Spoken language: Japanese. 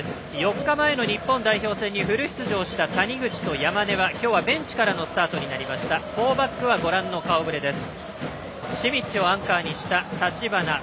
４日前の日本代表戦にフル出場した谷口と山根は今日はベンチからのスタートです。